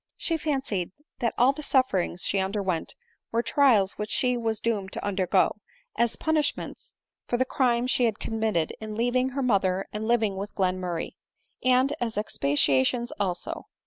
She fancied that all the sufferings she underwent were trials which she was doomed to undergo, as punish ments for the crime she had committedjn leaving her mother and living with Glenmurray ; and as expiations also.